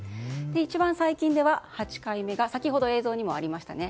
一番最近では、８回目が先ほど映像にもありましたね。